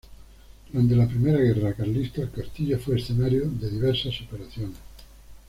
Durante la primera guerra carlista, el castillo fue escenario de diversas operaciones.